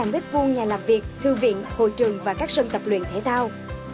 một mươi hai m hai nhà làm việc thư viện hội trường và các sân tập luyện thể thao